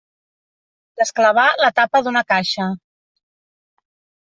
Desclavar la tapa d'una caixa.